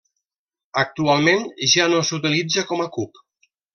Actualment ja no s'utilitza com cup.